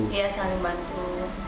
iya saling bantu